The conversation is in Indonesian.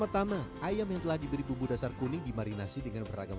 pertama ayam yang telah diberi bumbu dasar kuning dimarinasi dengan beragam